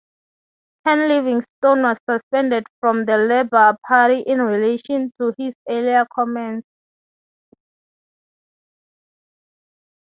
Ken Livingstone was suspended from the Labour party in relation to his earlier comments.